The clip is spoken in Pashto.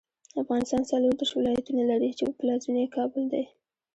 افغانستان څلوردېرش ولایتونه لري، چې پلازمېنه یې کابل دی.